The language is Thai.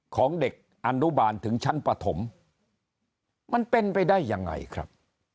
ของเด็กอนุบาลถึงชั้นปฐมมันเป็นไปได้ยังไงครับ